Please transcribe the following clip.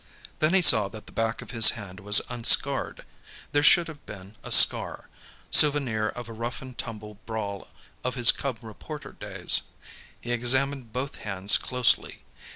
Then he saw that the back of his hand was unscarred. There should have been a scar, souvenir of a rough and tumble brawl of his cub reporter days. He examined both hands closely.